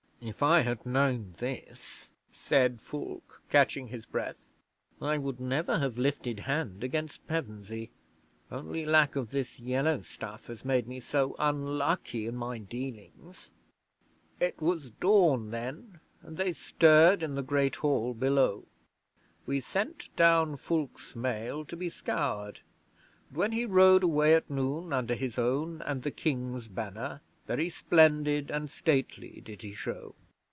'"If I had known this," said Fulke, catching his breath, "I would never have lifted hand against Pevensey. Only lack of this yellow stuff has made me so unlucky in my dealings." 'It was dawn then, and they stirred in the Great Hall below. We sent down Fulke's mail to be scoured, and when he rode away at noon under his own and the King's banner, very splendid and stately did he show.